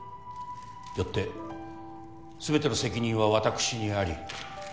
よって全ての責任はわたくしにあり。